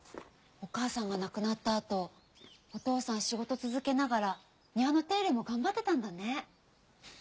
お母さんが亡くなったあとお父さん仕事続けながら庭の手入れも頑張ってたんだね。